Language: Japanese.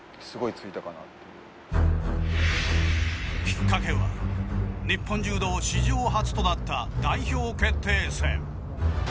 きっかけは日本柔道史上初となった代表決定戦。